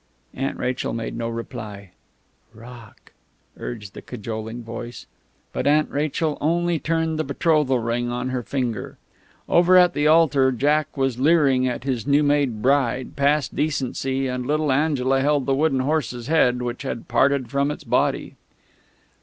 Aunt Rachel made no reply. "Rock..." urged the cajoling voice. But Aunt Rachel only turned the betrothal ring on her finger. Over at the altar Jack was leering at his new made bride, past decency; and little Angela held the wooden horse's head, which had parted from its body.